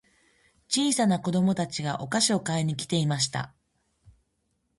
小さな子供たちがお菓子を買いに来ていました。